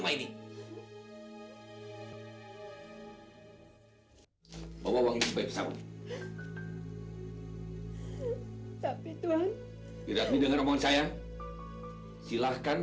dan kita belum bisa memastikan